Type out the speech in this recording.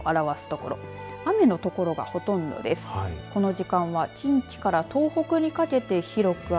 この時間は、近畿から東北にかけて広く雨。